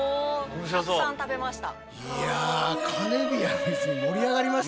たくさん食べました。